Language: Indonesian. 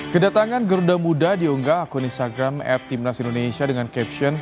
kedatangan garuda muda diunggah akun instagram at timnas indonesia dengan caption